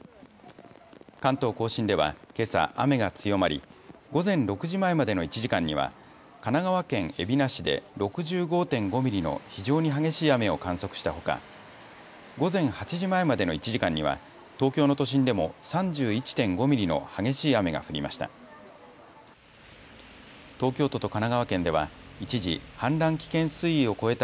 関東甲信では、けさ雨が強まり午前６時前までの１時間には神奈川県海老名市で６５．５ミリの非常に激しい雨を観測したほか午前８時前までの１時間には東京の都心でも３１．５ミリの激しい雨が降りました。